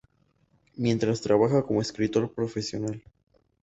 Mientras trabaja como escritor profesional.